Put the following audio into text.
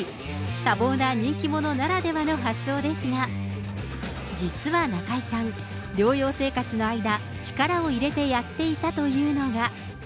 多忙な人気者ならではの発想ですが、実は中居さん、療養生活の間、力を入れてやっていたというのが。